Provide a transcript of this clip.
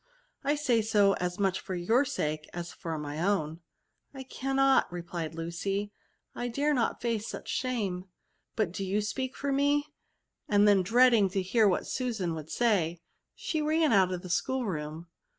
I say so, as much for your sake as for my own." •* I cannot," replied Lucy ;" I dare not face such shame ; but do you speak for VERBS. '247 me ; and then^ dreading to hear what Susan would say> she ran out of the school room.